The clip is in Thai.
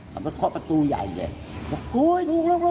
เขาเข้าประตูใหญ่เลย